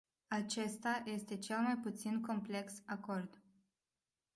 Acesta este cel mai puțin complex acord.